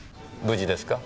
無事ですか？